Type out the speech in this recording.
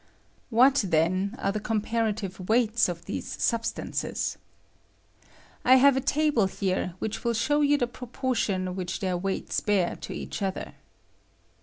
What, then, are the comparative weights of I these substances? I have a table here which I will show you the proportion which their I ■weights bear to each other.